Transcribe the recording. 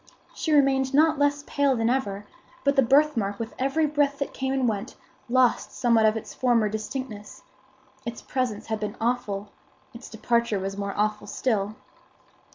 She remained not less pale than ever; but the birthmark with every breath that came and went, lost somewhat of its former distinctness. Its presence had been awful; its departure was more awful still.